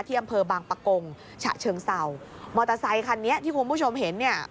อำเภอบางปะกงฉะเชิงเศร้ามอเตอร์ไซคันนี้ที่คุณผู้ชมเห็นเนี่ย